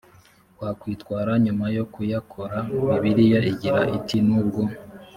wakwitwara nyuma yo kuyakora bibiliya igira iti nubwo